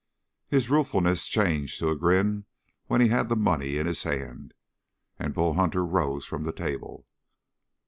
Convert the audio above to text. His ruefulness changed to a grin when he had the money in his hand, and Bull Hunter rose from the table.